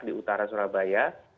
di utara surabaya